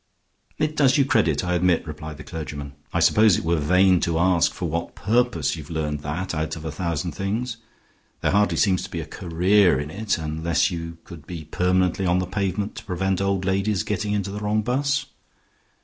"It does you credit, I admit," replied the clergyman. "I suppose it were vain to ask for what purpose you have learned that out of a thousand things. There hardly seems to be a career in it, unless you could be permanently on the pavement to prevent old ladies getting into the wrong bus.